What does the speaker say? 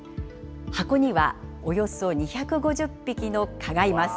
箱にはおよそ２５０匹の蚊がいます。